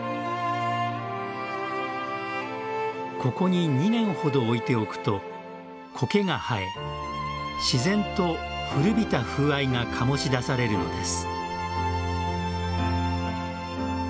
ここに２年ほど置いておくと苔が生え自然と古びた風合いが醸し出されるのです。